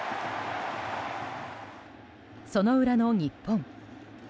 その裏の日本。